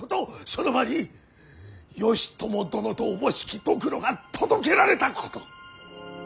その場に義朝殿とおぼしきドクロが届けられたこと。